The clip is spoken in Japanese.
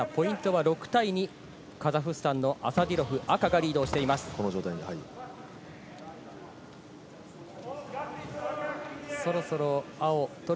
ポイントは６対２、カザフスタンのアサディロフ、赤がリードしてこの状態に入る。